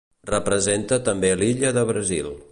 Representa també l'illa de Brasil.